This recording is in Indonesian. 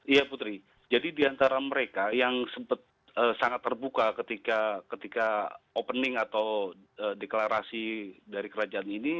iya putri jadi diantara mereka yang sempat sangat terbuka ketika opening atau deklarasi dari kerajaan ini